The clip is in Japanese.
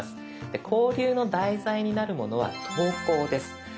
で交流の題材になるものは投稿です。